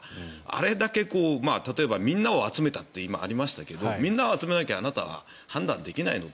あれだけ例えばみんなを集めたって今ありましたがみんなを集めなきゃあなたは判断できないの？